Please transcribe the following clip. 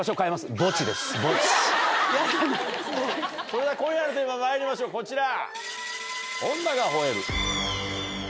それでは今夜のテーマまいりましょうこちら！